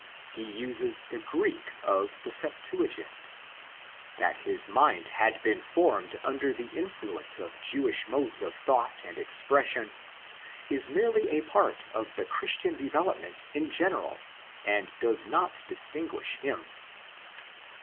He uses the Greek of the Septuagint. That his mind had been formed under the influence of Jewish modes of thought and expression is merely a part of the Christian development in general, and does not distinguish him.